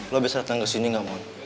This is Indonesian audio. lo bisa datang ke sini gak mau